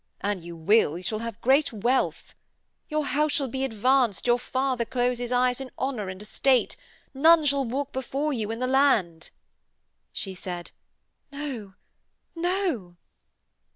An you will, you shall have great wealth. Your house shall be advanced; your father close his eyes in honour and estate. None shall walk before you in the land.' She said: 'No. No.'